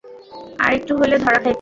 আরেকটু হইলে ধরা খাইতাম।